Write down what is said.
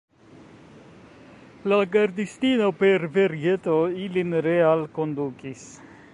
La gardistino, per vergeto ilin realkondukis.